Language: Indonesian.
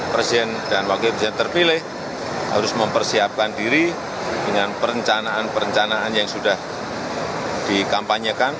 presiden dan wakil presiden terpilih harus mempersiapkan diri dengan perencanaan perencanaan yang sudah dikampanyekan